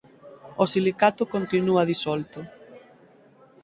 O silicato continúa disolto.